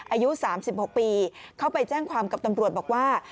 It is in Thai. อายุ๓๖ปีเข้าไปแจ้งความกับตำรวจบอกว่า